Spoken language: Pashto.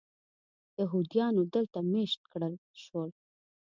یهودیانو دلته مېشت کړل شول.